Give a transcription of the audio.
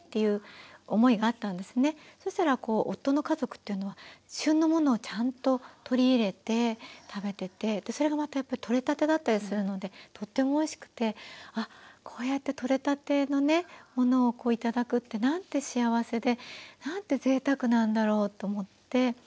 そしたら夫の家族っていうのは旬のものをちゃんと取り入れて食べててそれがまたやっぱり取れたてだったりするのでとってもおいしくてあこうやって取れたてのものを頂くってなんて幸せでなんてぜいたくなんだろうと思って。